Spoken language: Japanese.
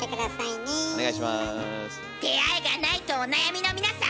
出会いがないとお悩みの皆さん！